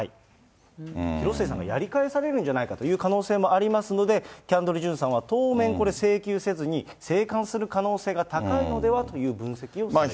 広末さんがやり返されるんじゃないかという可能性もありますので、キャンドル・ジュンさんは当面請求せずに、静観する可能性が高いのではという分析をされています。